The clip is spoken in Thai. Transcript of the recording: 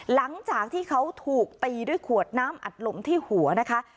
หลังจากที่เขาถูกตีด้วยขวดน้ำอัดลมที่หัวนะคะ